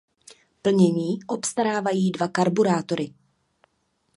Plnění obstarávají dva karburátory.